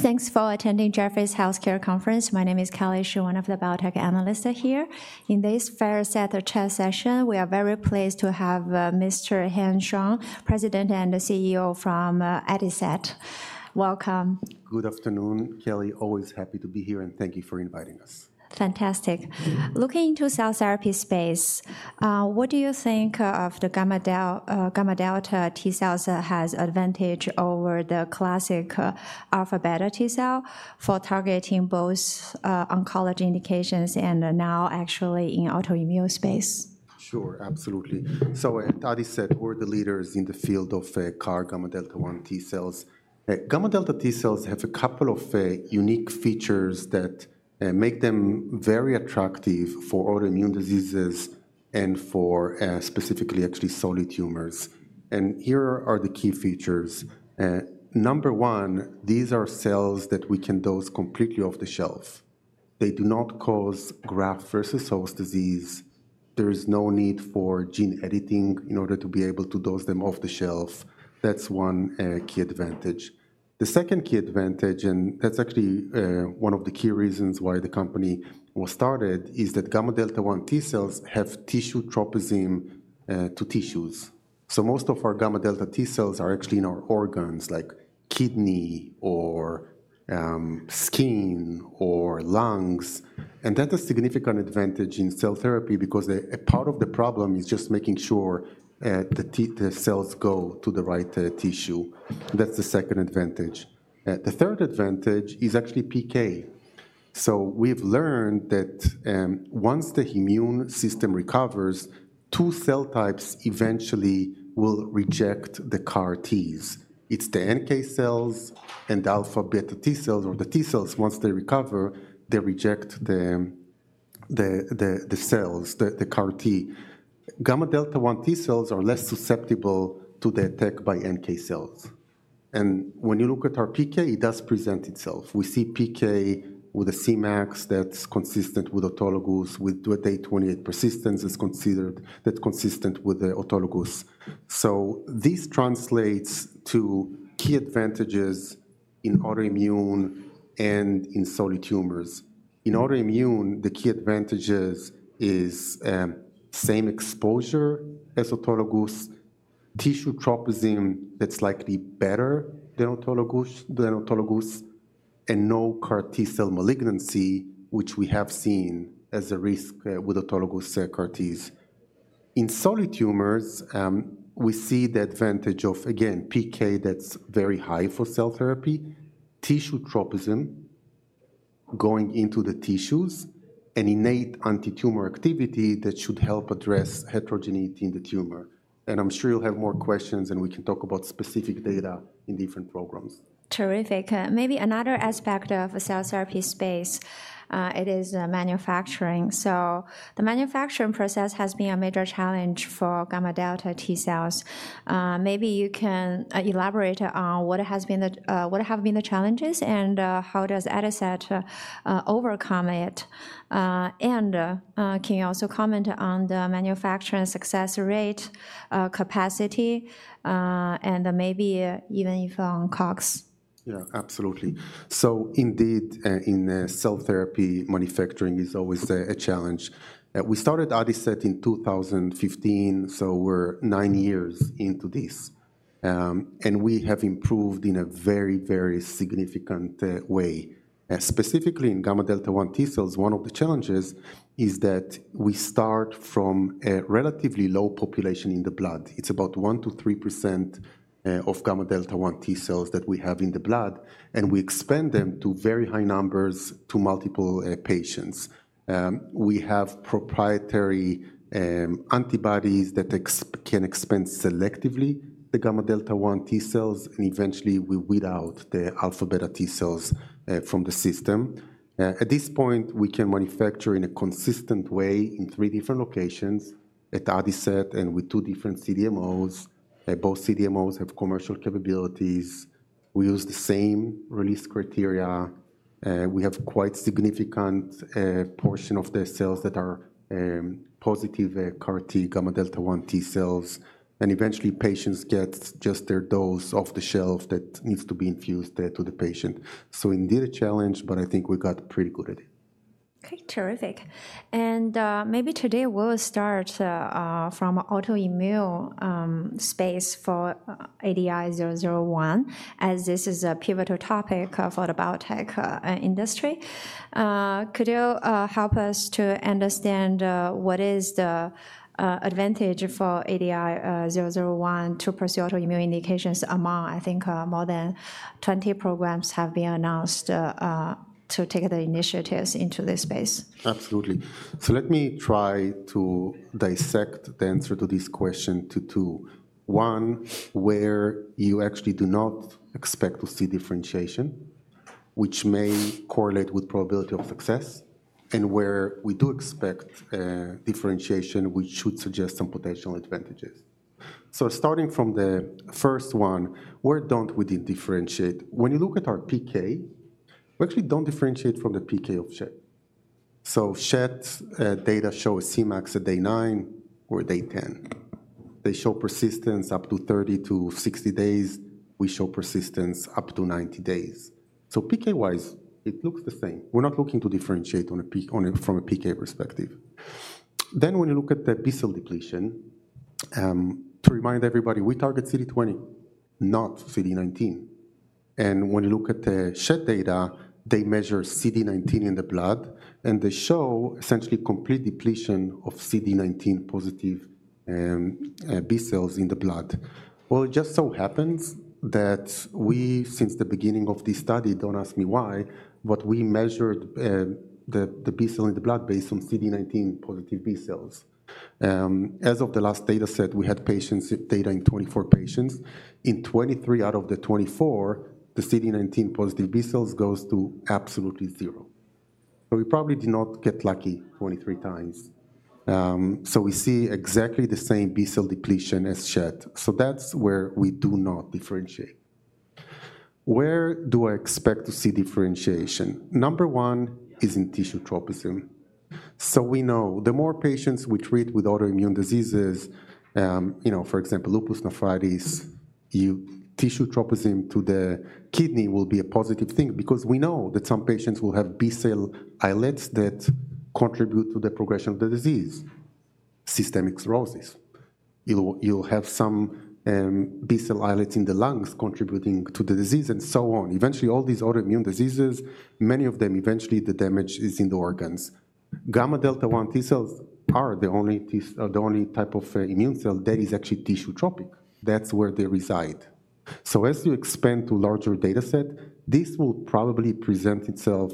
Thanks for attending Jefferies Healthcare Conference. My name is Kelly Shi, one of the biotech analysts here. In this first set of chat session, we are very pleased to have, Mr. Chen Schor, President and CEO from, Adicet. Welcome. Good afternoon, Kelly. Always happy to be here, and thank you for inviting us. Fantastic. Looking into cell therapy space, what do you think of the gamma delta T cells has advantage over the classic, alpha beta T cell for targeting both, oncology indications and now actually in autoimmune space? Sure, absolutely. So at Adicet, we're the leaders in the field of CAR gamma delta 1 T cells. Gamma delta T cells have a couple of unique features that make them very attractive for autoimmune diseases and for specifically, actually, solid tumors. And here are the key features. Number one, these are cells that we can dose completely off the shelf. They do not cause graft-versus-host disease. There is no need for gene editing in order to be able to dose them off the shelf. That's one key advantage. The second key advantage, and that's actually one of the key reasons why the company was started, is that gamma delta 1 T cells have tissue tropism to tissues. So most of our gamma delta T cells are actually in our organs, like kidney or skin or lungs, and that's a significant advantage in cell therapy because a part of the problem is just making sure the cells go to the right tissue. That's the second advantage. The third advantage is actually PK. So we've learned that once the immune system recovers, two cell types eventually will reject the CAR Ts. It's the NK cells and the alpha beta T cells, or the T cells, once they recover, they reject the cells, the CAR T. Gamma delta T cells are less susceptible to the attack by NK cells. And when you look at our PK, it does present itself. We see PK with a Cmax that's consistent with autologous, with day 28 persistence is considered, that's consistent with the autologous. So this translates to key advantages in autoimmune and in solid tumors. In autoimmune, the key advantages is, same exposure as autologous, tissue tropism that's likely better than autologous, than autologous, and no CAR T cell malignancy, which we have seen as a risk, with autologous CAR Ts. In solid tumors, we see the advantage of, again, PK that's very high for cell therapy, tissue tropism going into the tissues, and innate antitumor activity that should help address heterogeneity in the tumor. And I'm sure you'll have more questions, and we can talk about specific data in different programs. Terrific. Maybe another aspect of the cell therapy space, it is manufacturing. The manufacturing process has been a major challenge for gamma delta T cells. Maybe you can elaborate on what have been the challenges, and how does Adicet overcome it? Can you also comment on the manufacturing success rate, capacity, and maybe even if on costs? Yeah, absolutely. So indeed, in cell therapy, manufacturing is always a challenge. We started Adicet in 2015, so we're nine years into this. And we have improved in a very, very significant way. Specifically in gamma delta 1 T cells, one of the challenges is that we start from a relatively low population in the blood. It's about 1%-3% of gamma delta 1 T cells that we have in the blood, and we expand them to very high numbers to multiple patients. We have proprietary antibodies that can expand selectively the gamma delta 1 T cells, and eventually, we weed out the alpha beta T cells from the system. At this point, we can manufacture in a consistent way in three different locations at Adicet and with two different CDMOs. Both CDMOs have commercial capabilities. We use the same release criteria, we have quite significant portion of the cells that are positive CAR T gamma delta 1 T cells, and eventually, patients get just their dose off the shelf that needs to be infused to the patient. So indeed, a challenge, but I think we got pretty good at it. Okay, terrific. And, maybe today we'll start from autoimmune space for ADI-001, as this is a pivotal topic for the biotech industry. Could you help us to understand what is the advantage for ADI-001 to pursue autoimmune indications among, I think, more than 20 programs have been announced to take the initiatives into this space? Absolutely. So let me try to dissect the answer to this question to two. One, where you actually do not expect to see differentiation, which may correlate with probability of success, and where we do expect differentiation, which should suggest some potential advantages. So starting from the first one, where don't we differentiate? When you look at our PK, we actually don't differentiate from the PK of Schett. So Schett data show Cmax at day nine or day 10. They show persistence up to 30-60 days. We show persistence up to 90 days. So PK-wise, it looks the same. We're not looking to differentiate from a PK perspective. Then when you look at the B cell depletion, to remind everybody, we target CD20, not CD19. When you look at the Schett data, they measure CD19 in the blood, and they show essentially complete depletion of CD19 positive B cells in the blood. Well, it just so happens that we, since the beginning of this study, don't ask me why, but we measured the B cell in the blood based on CD19 positive B cells. As of the last data set, we had patients with data in 24 patients. In 23 out of the 24, the CD19 positive B cells goes to absolutely zero. But we probably did not get lucky 23x. So we see exactly the same B cell depletion as Schett. So that's where we do not differentiate. Where do I expect to see differentiation? Number one is in tissue tropism. So we know the more patients we treat with autoimmune diseases, you know, for example, lupus nephritis, tissue tropism to the kidney will be a positive thing because we know that some patients will have B cell islets that contribute to the progression of the disease. Systemic sclerosis. You'll have some B cell islets in the lungs contributing to the disease and so on. Eventually, all these autoimmune diseases, many of them, eventually the damage is in the organs. Gamma delta 1 T cells are the only type of immune cell that is actually tissue tropism. That's where they reside. So as you expand to larger data set, this will probably present itself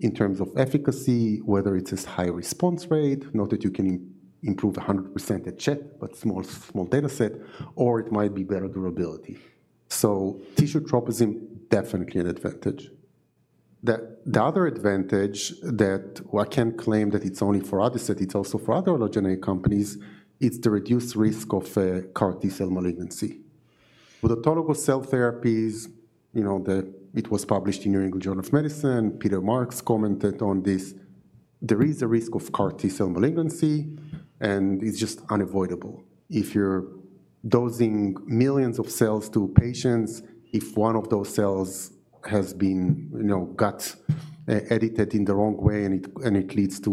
in terms of efficacy, whether it is high response rate, not that you can improve 100% at Schett, but small, small data set, or it might be better durability. So tissue tropism, definitely an advantage. The other advantage that I can't claim that it's only for Adicet, it's also for other allogeneic companies, is to reduce risk of CAR T cell malignancy. With autologous cell therapies, you know, the... It was published in New England Journal of Medicine. Peter Marks commented on this. There is a risk of CAR T cell malignancy, and it's just unavoidable. If you're dosing millions of cells to patients, if one of those cells has been, you know, got, edited in the wrong way, and it, and it leads to,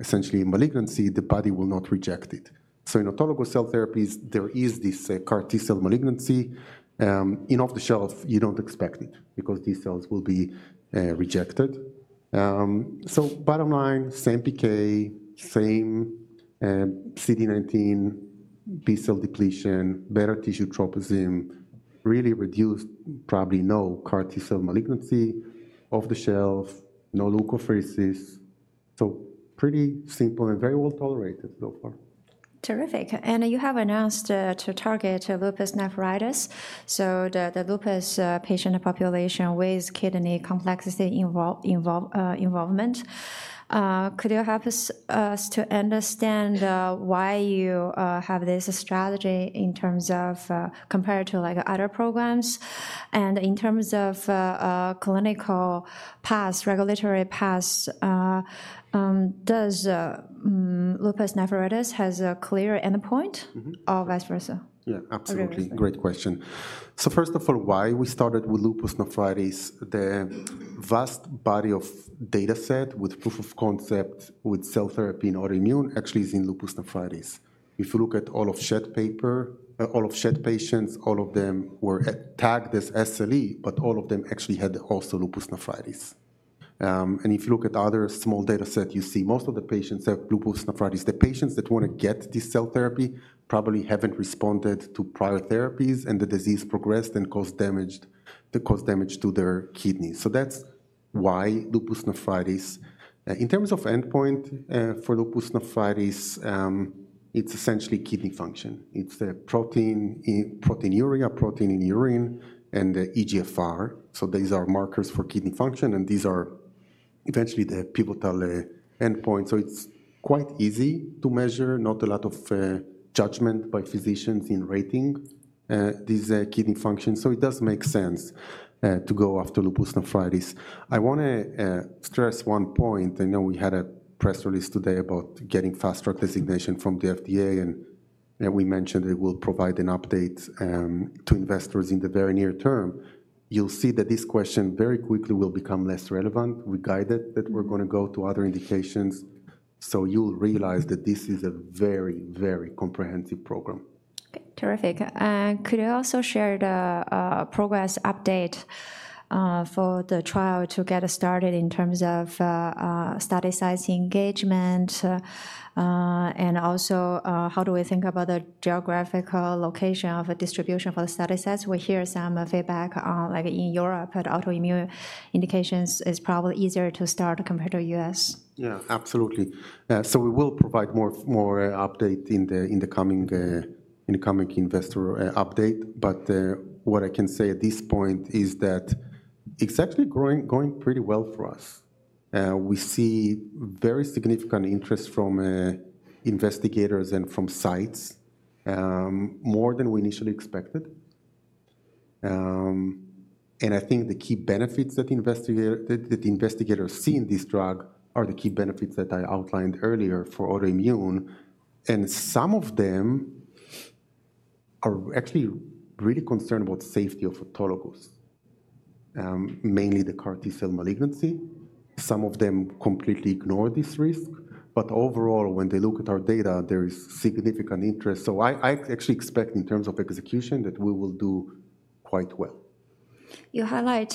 essentially malignancy, the body will not reject it. So in autologous cell therapies, there is this, CAR T cell malignancy. In off-the-shelf, you don't expect it because these cells will be, rejected. So bottom line, same PK, same, CD19 B cell depletion, better tissue tropism, really reduced, probably no CAR T cell malignancy, off-the-shelf, no leukapheresis. So pretty simple and very well tolerated so far. Terrific. And you have announced to target lupus nephritis, so the lupus patient population with kidney complexity involvement. Could you help us to understand why you have this strategy in terms of compared to, like, other programs? And in terms of clinical path, regulatory path, does lupus nephritis has a clear endpoint- Mm-hmm. Or vice versa? Yeah, absolutely. Okay. Great question. So first of all, why we started with lupus nephritis, the vast body of data set with proof of concept with cell therapy in autoimmune actually is in lupus nephritis. If you look at all of Schett paper, all of Schett patients, all of them were tagged as SLE, but all of them actually had also lupus nephritis. And if you look at other small data set, you see most of the patients have lupus nephritis. The patients that want to get this cell therapy probably haven't responded to prior therapies, and the disease progressed and caused damage, to cause damage to their kidneys. So that's why lupus nephritis. In terms of endpoint, for lupus nephritis, it's essentially kidney function. It's the protein in, proteinuria, protein in urine, and the eGFR. So these are markers for kidney function, and these are eventually the pivotal endpoint. So it's quite easy to measure. Not a lot of judgment by physicians in rating these kidney function. So it does make sense to go after lupus nephritis. I wanna stress one point. I know we had a press release today about getting fast-track designation from the FDA, and, and we mentioned it will provide an update to investors in the very near term. You'll see that this question very quickly will become less relevant. We guided that we're gonna go to other indications, so you'll realize that this is a very, very comprehensive program. Terrific. And could you also share the progress update for the trial to get started in terms of study size engagement, and also how do we think about the geographical location of a distribution for the study sites? We hear some feedback like in Europe, that autoimmune indications is probably easier to start compared to U.S. Yeah, absolutely. So we will provide more update in the coming investor update. But what I can say at this point is that it's actually going pretty well for us. We see very significant interest from investigators and from sites, more than we initially expected.... And I think the key benefits that the investigators see in this drug are the key benefits that I outlined earlier for autoimmune, and some of them are actually really concerned about safety of autologous, mainly the CAR T cell malignancy. Some of them completely ignore this risk, but overall, when they look at our data, there is significant interest. So I actually expect in terms of execution, that we will do quite well. You highlight,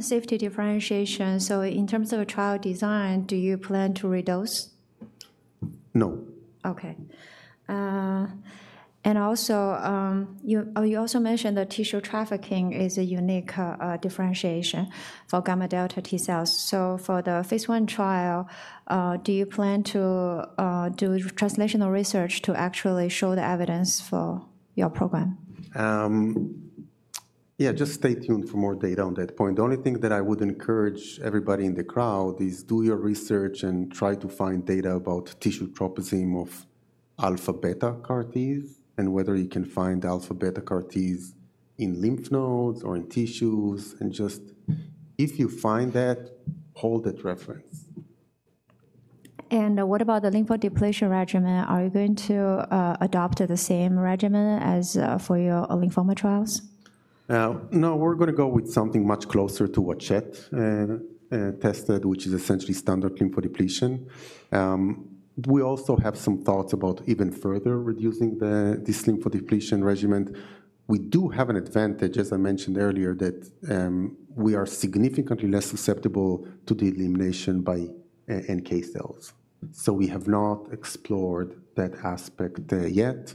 safety differentiation. So in terms of a trial design, do you plan to reduce? No. Okay. And also, you also mentioned that tissue trafficking is a unique differentiation for gamma delta T cells. So for the phase one trial, do you plan to do translational research to actually show the evidence for your program? Just stay tuned for more data on that point. The only thing that I would encourage everybody in the crowd is do your research and try to find data about tissue tropism of alpha beta CAR Ts, and whether you can find alpha beta CAR Ts in lymph nodes or in tissues, and just if you find that, hold that reference. What about the lymphodepletion regimen? Are you going to adopt the same regimen as for your lymphoma trials? No, we're gonna go with something much closer to what Schett tested, which is essentially standard lymphodepletion. We also have some thoughts about even further reducing this lymphodepletion regimen. We do have an advantage, as I mentioned earlier, that we are significantly less susceptible to elimination by NK cells. So we have not explored that aspect yet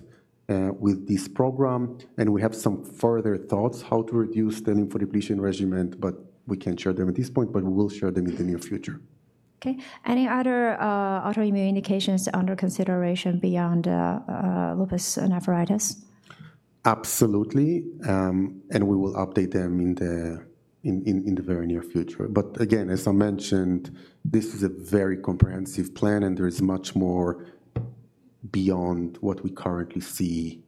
with this program, and we have some further thoughts how to reduce the lymphodepletion regimen, but we can't share them at this point, but we will share them in the near future. Okay. Any other autoimmune indications under consideration beyond lupus nephritis? Absolutely. And we will update them in the very near future. But again, as I mentioned, this is a very comprehensive plan, and there is much more beyond what we currently see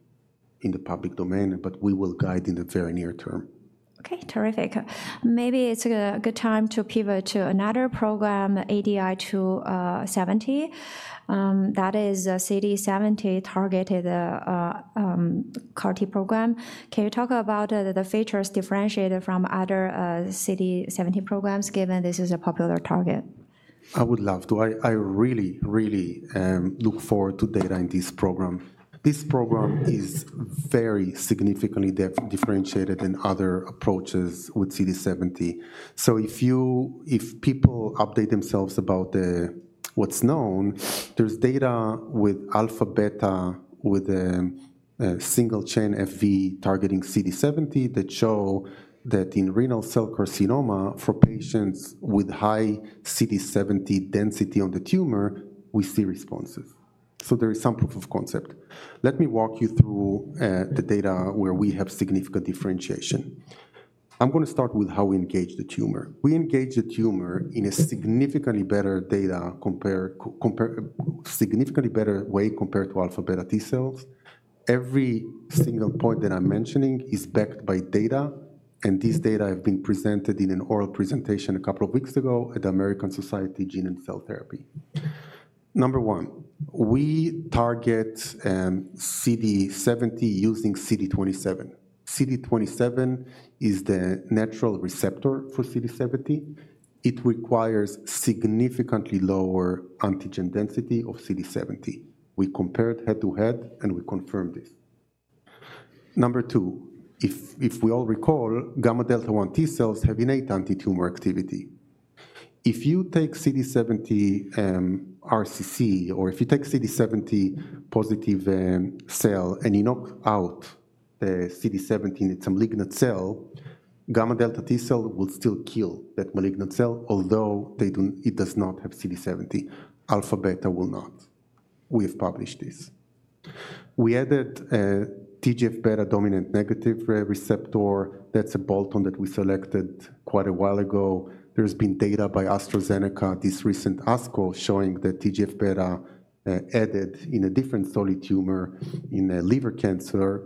in the public domain, but we will guide in the very near term. Okay, terrific. Maybe it's a good time to pivot to another program, ADI-270. That is a CD70-targeted CAR T program. Can you talk about the features differentiated from other CD70 programs, given this is a popular target? I would love to. I really, really look forward to data in this program. This program is very significantly differentiated than other approaches with CD70. So if people update themselves about the, what's known, there's data with alpha beta, with a single-chain Fv targeting CD70, that show that in renal cell carcinoma, for patients with high CD70 density on the tumor, we see responses. So there is some proof of concept. Let me walk you through the data where we have significant differentiation. I'm gonna start with how we engage the tumor. We engage the tumor in a significantly better way compared to alpha beta T cells. Every single point that I'm mentioning is backed by data, and this data have been presented in an oral presentation a couple of weeks ago at the American Society of Gene & Cell Therapy. Number one, we target CD70 using CD27. CD27 is the natural receptor for CD70. It requires significantly lower antigen density of CD70. We compared head-to-head, and we confirmed this. Number two, if we all recall, gamma delta T cells have innate antitumor activity. If you take CD70 RCC, or if you take CD70 positive cell, and you knock out the CD70 in a malignant cell, gamma delta T cell will still kill that malignant cell, although it does not have CD70. Alpha beta will not. We have published this. We added a TGF-β dominant negative receptor. That's a bolt-on that we selected quite a while ago. There's been data by AstraZeneca, this recent ASCO, showing that TGF-beta added in a different solid tumor in a liver cancer,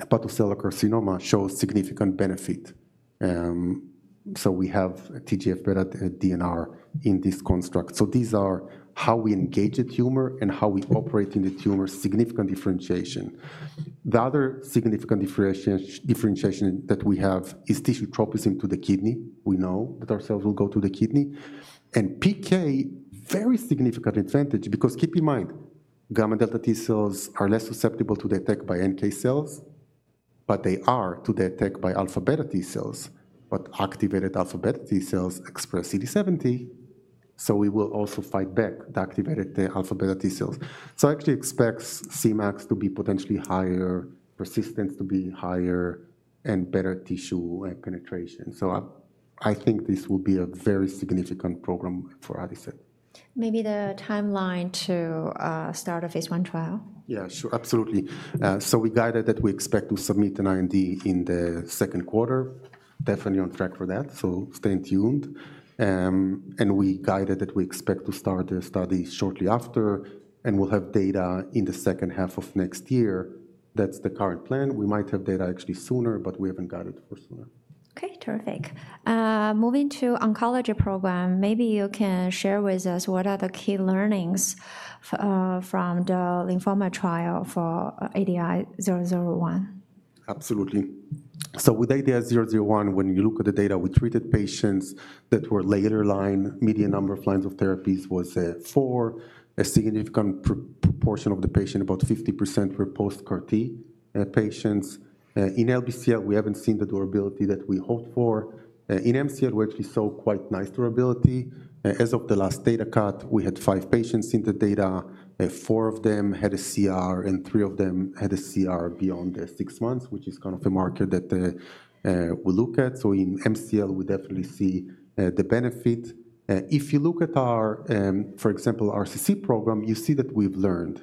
hepatocellular carcinoma, shows significant benefit. So we have TGF-beta DNR in this construct. So these are how we engage the tumor and how we operate in the tumor, significant differentiation. The other significant differentiation that we have is tissue tropism to the kidney. We know that our cells will go to the kidney. And PK, very significant advantage, because keep in mind, gamma delta T cells are less susceptible to detect by NK cells, but they are to detect by alpha beta T cells. But activated alpha beta T cells express CD70, so we will also fight back the activated alpha beta T cells. So I actually expect Cmax to be potentially higher, persistence to be higher, and better tissue penetration. So, I think this will be a very significant program for Adicet. Maybe the timeline to start a phase I trial? Yeah, sure. Absolutely. So we guided that we expect to submit an IND in the second quarter. Definitely on track for that, so stay tuned. And we guided that we expect to start the study shortly after, and we'll have data in the second half of next year. That's the current plan. We might have data actually sooner, but we haven't got it for sooner. Okay, terrific. Moving to oncology program, maybe you can share with us what are the key learnings from the lymphoma trial for ADI-001? Absolutely. So with ADI-001, when you look at the data, we treated patients that were later line. Median number of lines of therapies was four. A significant proportion of the patient, about 50%, were post-CAR T patients. In LBCL, we haven't seen the durability that we hoped for. In MCL, we actually saw quite nice durability. As of the last data cut, we had five patients in the data, four of them had a CR, and three of them had a CR beyond six months, which is kind of a marker that we look at. So in MCL, we definitely see the benefit. If you look at our, for example, RCC program, you see that we've learned.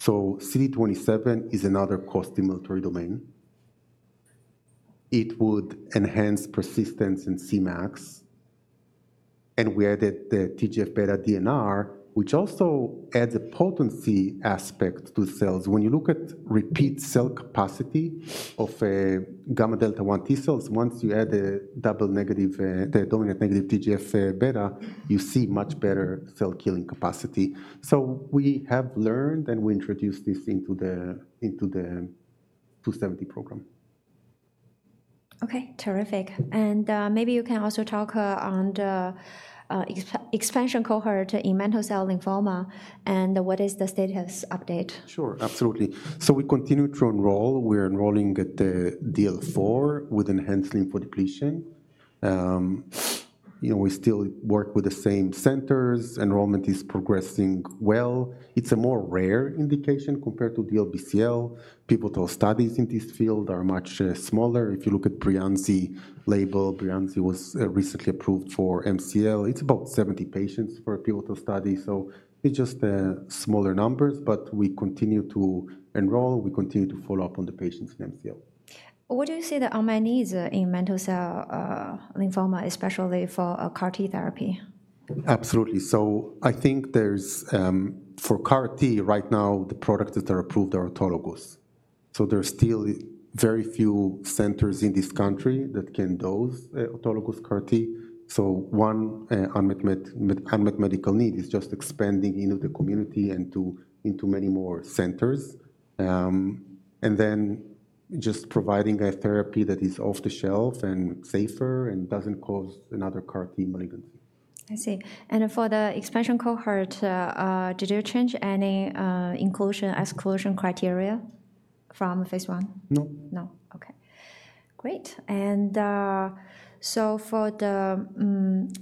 So CD27 is another costimulatory domain. It would enhance persistence in Cmax, and we added the TGF-beta DNR, which also adds a potency aspect to cells. When you look at repeat cell capacity of gamma delta 1 T cells, once you add the dominant negative TGF-beta, you see much better cell-killing capacity. So we have learned, and we introduced this into the 270 program. Okay, terrific. And, maybe you can also talk on the expansion cohort in mantle cell lymphoma and what is the status update? Sure, absolutely. So we continue to enroll. We're enrolling at the DLBCL with enhanced lymphodepletion. You know, we still work with the same centers. Enrollment is progressing well. It's a more rare indication compared to DLBCL. Pivotal studies in this field are much smaller. If you look at breyanzi label, breyanzi was recently approved for MCL. It's about 70 patients per pivotal study, so it's just smaller numbers, but we continue to enroll, we continue to follow up on the patients in MCL. What do you see the unmet needs in mantle cell lymphoma, especially for a CAR T therapy? Absolutely. So I think there's, for CAR T, right now, the products that are approved are autologous. So there's still very few centers in this country that can dose, autologous CAR T. So one, unmet medical need is just expanding into the community and to, into many more centers, and then just providing a therapy that is off the shelf and safer and doesn't cause another CAR T malignancy. I see. And for the expansion cohort, did you change any inclusion, exclusion criteria from phase 1? No. No. Okay, great. And, so for the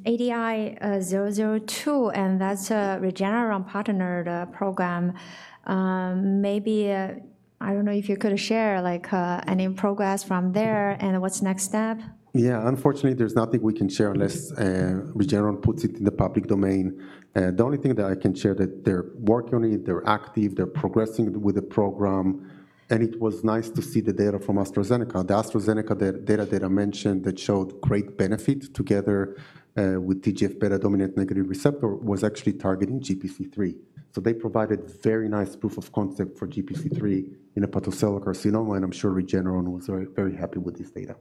ADI-002, and that's the Regeneron partnered program, maybe I don't know if you could share, like, any progress from there and what's the next step? Yeah. Unfortunately, there's nothing we can share unless Regeneron puts it in the public domain. The only thing that I can share that they're working on it, they're active, they're progressing with the program, and it was nice to see the data from AstraZeneca. The AstraZeneca data that I mentioned that showed great benefit together with TGF-beta dominant negative receptor was actually targeting GPC3. So they provided very nice proof of concept for GPC3 in hepatocellular carcinoma, and I'm sure Regeneron was very, very happy with this data.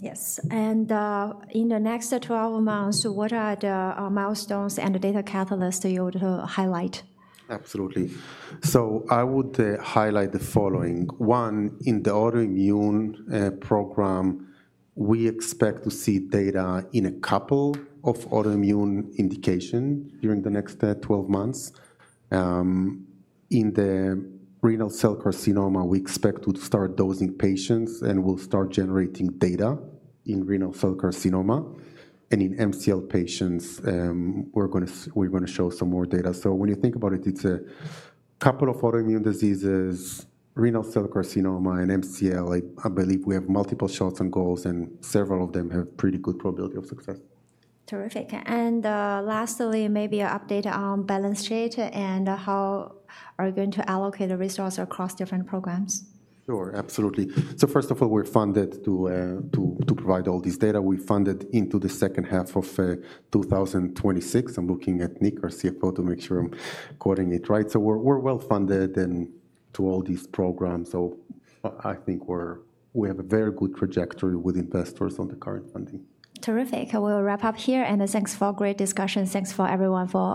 Yes. In the next 12 months, what are the milestones and the data catalysts that you would highlight? Absolutely. So I would highlight the following. One, in the autoimmune program, we expect to see data in a couple of autoimmune indication during the next 12 months. In the renal cell carcinoma, we expect to start dosing patients, and we'll start generating data in renal cell carcinoma and in MCL patients, we're gonna show some more data. So when you think about it, it's a couple of autoimmune diseases, renal cell carcinoma and MCL. I, I believe we have multiple shots and goals, and several of them have pretty good probability of success. Terrific. And, lastly, maybe an update on balance sheet and how are you going to allocate the resources across different programs? Sure, absolutely. So first of all, we're funded to provide all this data. We're funded into the second half of 2026. I'm looking at Nick, our CFO, to make sure I'm quoting it right. So we're well funded to all these programs, so I think we're—we have a very good trajectory with investors on the current funding. Terrific. I will wrap up here, and thanks for great discussion. Thanks for everyone for-